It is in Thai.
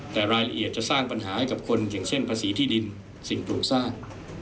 แต่รายละเอียดจะสร้างปัญหาให้กับคนอย่างเช่นภาษีที่ดินสิ่งปลูกสร้าง